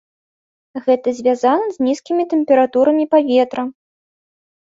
Гэта звязана з нізкімі тэмпературамі паветра.